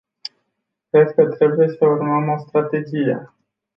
Cred că trebuie să urmăm o strategie.